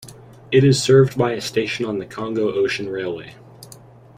It is served by a station on the Congo-Ocean Railway.